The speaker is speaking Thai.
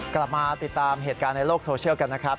กลับมาติดตามเหตุการณ์ในโลกโซเชียลกันนะครับ